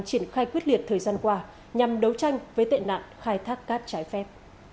triển khai quyết liệt thời gian qua nhằm đấu tranh với tệ nạn khai thác cát trái phép